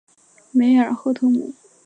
梅尔赫特姆。